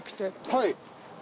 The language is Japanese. はい。